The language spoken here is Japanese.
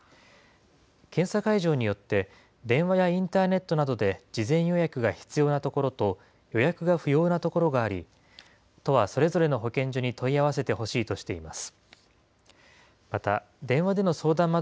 検査会場によって、電話やインターネットなどで事前予約が必要なところと、予約が不要な所があり、都はそれぞれの保健所に問い合わせてほしいとしています。